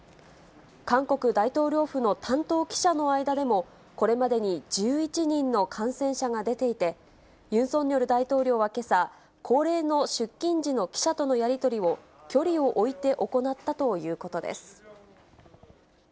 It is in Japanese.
韓国大統領府の担当記者の間でも、これまでに１１人の感染者が出ていて、ユン・ソンニョル大統領はけさ、恒例の出勤時の記者とのやり取りを距離を置いて行ったということです。